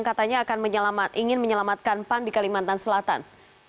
katanya akan ingin menyelamatkan pan di kalimantan selatan